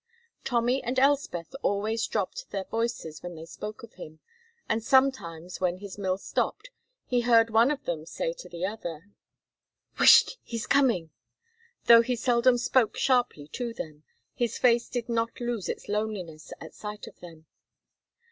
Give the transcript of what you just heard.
Tommy and Elspeth always dropped their voices when they spoke of him, and sometimes when his mill stopped he heard one of them say to the other, "Whisht, he's coming!" Though he seldom, spoke sharply to them, his face did not lose its loneliness at sight of them.